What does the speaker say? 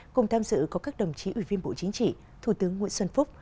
cùng tham dự có các đồng chí ủy viên bộ chính trị thủ tướng nguyễn xuân phúc